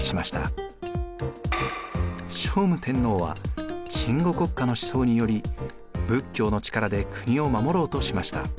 聖武天皇は鎮護国家の思想により仏教の力で国を守ろうとしました。